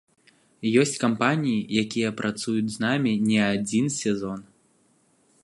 Ёсць кампаніі, якія працуюць з намі не адзін сезон.